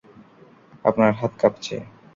আপনার হাত কাঁপছে।